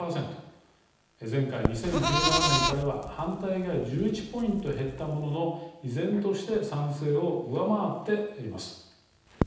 前回２０１７年からは反対が１１ポイント減ったものの依然として賛成を上回っています。